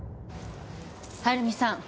晴美さん